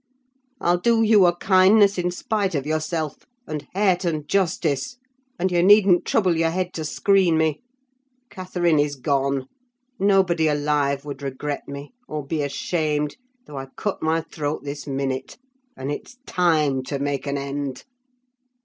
'I'll do you a kindness in spite of yourself, and Hareton justice! And you needn't trouble your head to screen me; Catherine is gone. Nobody alive would regret me, or be ashamed, though I cut my throat this minute—and it's time to make an end!